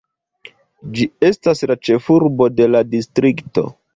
Ĝi estas la ĉefurbo de la distrikto.